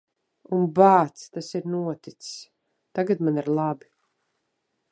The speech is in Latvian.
Un, bāc, tas ir noticis. Tagad man ir labi.